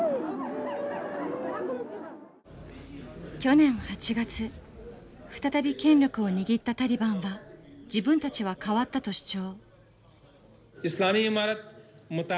去年８月再び権力を握ったタリバンは自分たちは変わったと主張。